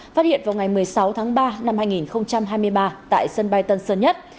phát hiện vào ngày một mươi sáu tháng ba năm hai nghìn hai mươi ba tại sân bay tân sơn nhất